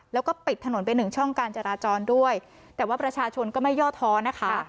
แล้วก็ปิดถนนไปหนึ่งช่องการจราจรด้วยแต่ว่าประชาชนก็ไม่ย่อท้อนะคะ